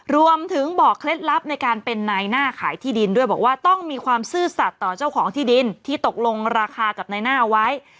รวมถึงบอกเคล็ดลับในการเป็นนายหน้าขายที่ดินด้วยบอกว่าต้องมีความซื่อสัตว์ต่อเจ้าของที่ดินที่ตกลงราคากับนายหน้าเอาไว้